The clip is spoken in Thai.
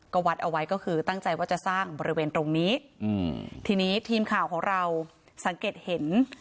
ก็วัดเอาไว้ก็คือตั้งใจว่าจะสร้างบริเวณตรงนี้อืม